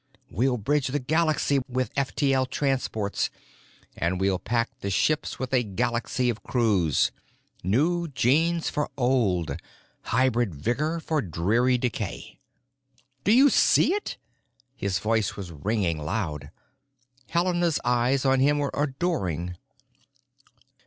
We'll bridge the galaxy with F T L transports; and we'll pack the ships with a galaxy of crews! New genes for old; hybrid vigor for dreary decay! "Do you see it?" His voice was ringing loud; Helena's eyes on him were adoring.